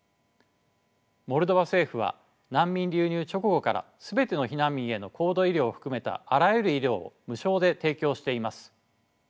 モルドバ政府は避難民流入直後から全ての避難民への高度医療を含めたあらゆる医療を無償で提供しています。